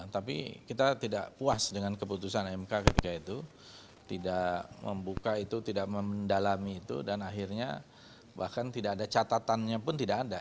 tapi kita tidak puas dengan keputusan mk ketika itu tidak membuka itu tidak mendalami itu dan akhirnya bahkan tidak ada catatannya pun tidak ada